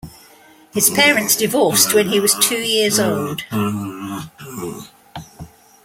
His parents divorced when he was two years old.